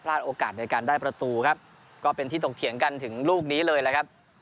โอกาสในการได้ประตูครับก็เป็นที่ตกเถียงกันถึงลูกนี้เลยแหละครับ